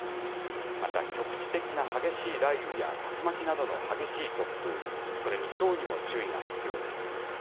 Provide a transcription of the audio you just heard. また、局地的な激しい雷雨や、竜巻などの激しい突風、それにひょうにも注意が必要です。